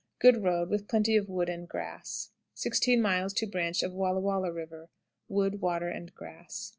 Good road, with plenty of wood and grass. 16. Branch of Wallah Wallah River. Wood, water, and grass.